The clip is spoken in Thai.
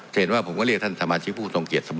เห็นว่าผมก็เรียกท่านสมาชิกผู้ทรงเกียจเสมอ